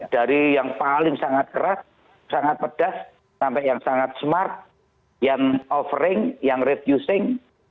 dari yang paling sangat keras sangat pedas sampai yang sangat smart yang offering yang refusing